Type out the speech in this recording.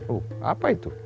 oh apa itu